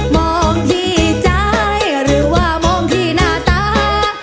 มองที่ใจหรือว่ามองที่หน้าตา